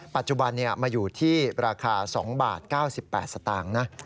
ปัจจุบันมาอยู่ที่ราคา๒บาท๙๘สตางค์นะ